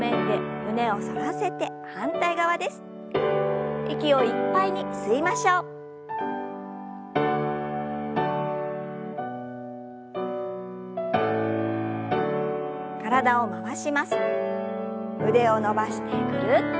腕を伸ばしてぐるっと。